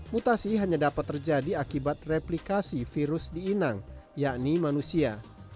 mutasi hanya dapat terjadi akibat replikasi virus di inang yakni manusia